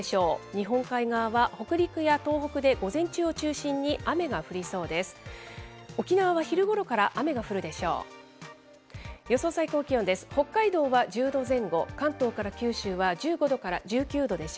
日本海側は北陸や東北で午前中に中心に雨が降りそうです。